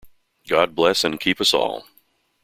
God bless and keep us all!